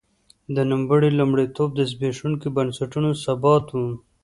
د نوموړي لومړیتوب د زبېښونکو بنسټونو ثبات و.